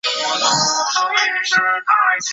然后玛琦听到楼下传来有打嗝声。